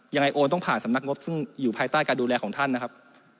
ยังไงโอนต้องผ่านสำนักงบแถวอยู่หลายตาดุดูแลของท่านนะครับ